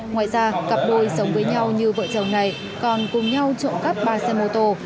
ngoài ra cặp đôi sống với nhau như vợ chồng này còn cùng nhau trộm cắp ba xe mô tô